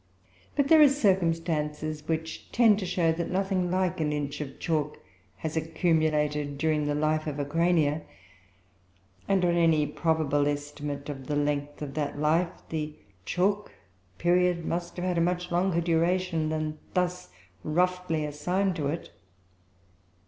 But there are circumstances which tend to show, that nothing like an inch of chalk has accumulated during the life of a Crania; and, on any probable estimate of the length of that life, the chalk period must have had a much longer duration than that thus roughly assigned to it.